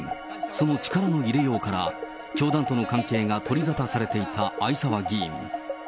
その力の入れようから、教団との関係が取り沙汰されていた逢沢議員。